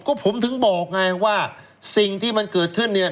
ก็ผมถึงบอกไงว่าสิ่งที่มันเกิดขึ้นเนี่ย